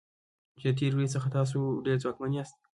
چې د تیرې ورځې څخه تاسو ډیر ځواکمن یاست.